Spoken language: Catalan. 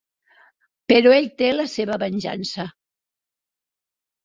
Però ell té la seva venjança.